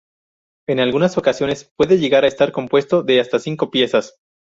En algunas ocasiones puede llegar a estar compuesto de hasta cinco piezas.